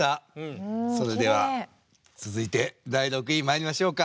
それでは続いて第６位まいりましょうか。